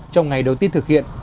trong ngày đầu tiên thực hiện